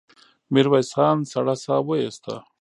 ميرويس خان سړه سا وايسته.